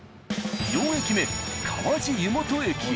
４駅目川治湯元駅へ。